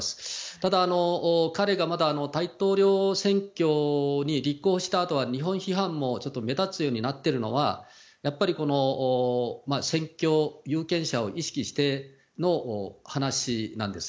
ただ、彼が大統領選に立候補したあとは日本批判も目立つようになってるのはやっぱり選挙有権者を意識しての話なんです。